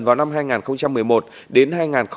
vào năm hai nghìn một mươi một đến hai nghìn một mươi bảy